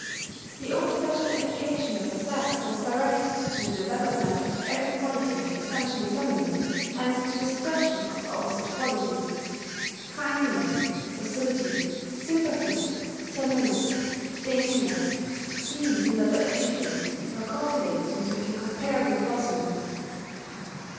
The old fashioned education of her sex was directed to the development of every quality essentially feminine, and to the suppression of the opposite quality. Kindliness, docility, sympathy, tenderness, daintiness these and other attributes were cultivated into incomparable blossoming.